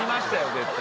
絶対。